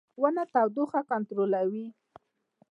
• ونه تودوخه کنټرولوي.